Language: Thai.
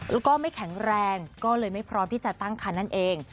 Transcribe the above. แล้วก็ไม่แข็งแรงก็เลยไม่พร้อมที่จะตั้งคันนั่นเอง